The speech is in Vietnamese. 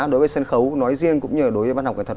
đối với sân khấu nói riêng cũng như đối với bác học kỹ thuật